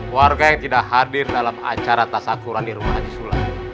warga yang tidak hadir dalam acara tas syakuran di rumah haji sulam